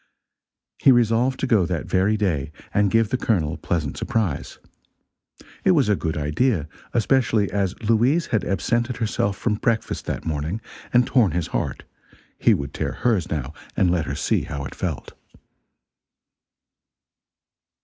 He resolved to go that very day, and give the Colonel a pleasant surprise. It was a good idea; especially as Louise had absented herself from breakfast that morning, and torn his heart; he would tear hers, now, and let her see how it felt.